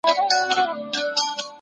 یو وفادار او مرستندوی ملګری.